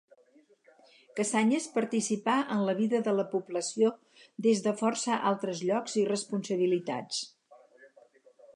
Cassanyes participà en la vida de la població des de força altres llocs i responsabilitats.